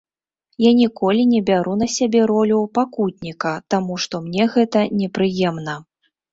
Я ніколі не бяру на сябе ролю пакутніка, таму што мне гэта непрыемна.